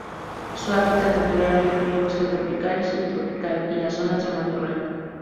Su hábitat natural incluye bosque tropical y subtropical y las zonas de matorral.